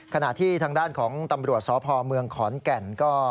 ขณะที่ทางด้านของตำรวจสพเมืองขอนแก่นก็